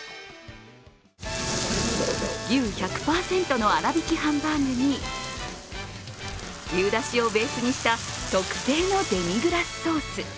牛１００％の粗びきハンバーグに牛だしをベースにした、特製のデミグラスソース。